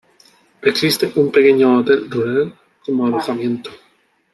Existe un pequeño hotel rural como alojamiento.